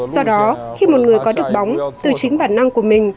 do đó khi một người có được bóng từ chính bản năng của mình